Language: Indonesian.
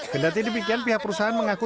kedatian di pikian pihak perusahaan mengaku